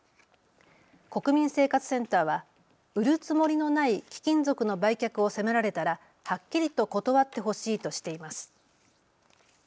国民生活センターは売るつもりのない貴金属の売却を迫られたら、はっきりと断ってほしいとしています。